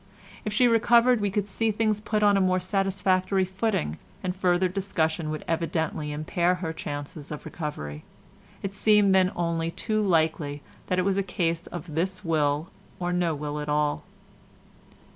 If she recovered we could see things put on a more satisfactory footing, and further discussion would evidently impair her chances of recovery; it seemed then only too likely that it was a case of this will or no will at all.